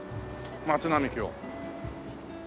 松並木を。